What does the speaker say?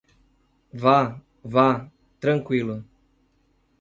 Vá, vá, tranqüilo.